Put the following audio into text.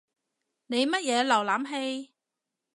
你乜嘢瀏覽器？